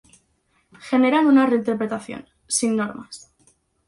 Generan una reinterpretación, sin normas.